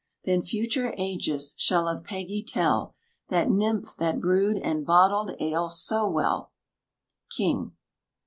Then future ages shall of Peggy tell, That nymph that brewed and bottled ale so well! KING.